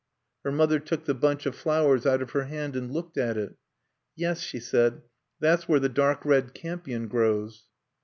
Her mother took the bunch of flowers out of her hand and looked at it. "Yes," she said, "that's where the dark red campion grows."